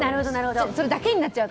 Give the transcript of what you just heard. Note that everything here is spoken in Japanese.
それだけになっちゃうと。